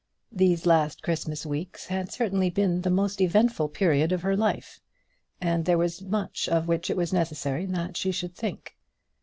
These last Christmas weeks had certainly been the most eventful period of her life, and there was very much of which it was necessary that she should think.